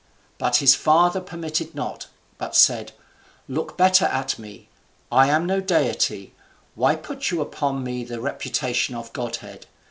But his father permitted not, but said, "Look better at me; I am no deity; why put you upon me the reputation of godhead?